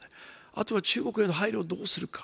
あとは中国への配慮をどうするか。